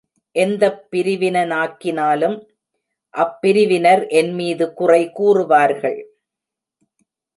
எந்தப் பிரிவினனாக்கினாலும் அப் பிரிவினர் என்மீது குறை கூறுவார்கள்.